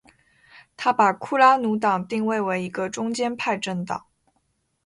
他把库拉努党定位为一个中间派政党。